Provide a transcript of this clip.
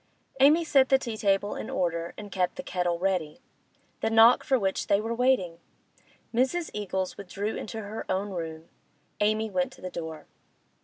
Amy set the tea table in order, and kept the kettle ready. ... The knock for which they were waiting! Mrs. Eagles withdrew into her own room; Amy went to the door.